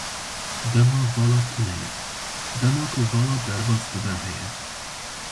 Dema vala tune ye, dema ku vala derbas dibe heye.